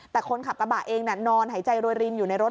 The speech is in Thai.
แต่คนขับกระบะเองนอนหายใจโรยรินอยู่ในรถ